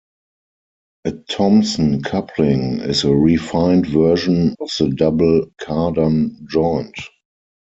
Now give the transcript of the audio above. A Thompson coupling is a refined version of the double Cardan joint.